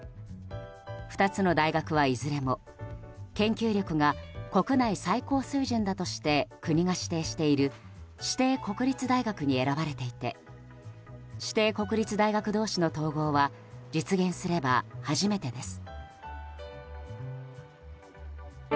２つの大学はいずれも研究力が国内最高水準だとして国が指定している指定国立大学に選ばれていて指定国立大学同士の統合は実現すれば初めてです。